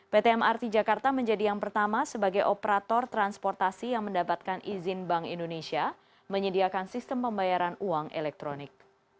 pt mrt jakarta menjadi yang pertama sebagai operator transportasi yang mendapatkan izin bank indonesia menyediakan sistem pembayaran uang elektronik